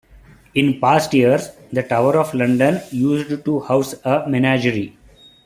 In past years, the Tower of London used to house a menagerie.